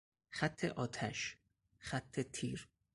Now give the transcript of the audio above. خط آتش، خط تیر